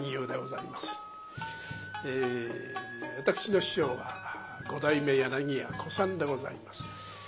え私の師匠は五代目柳家小さんでございます。